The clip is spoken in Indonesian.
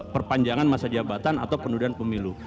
perpanjangan masa jabatan atau pendudukan pemilu